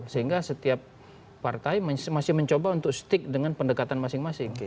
sehingga setiap partai masih mencoba untuk stick dengan pendekatan masing masing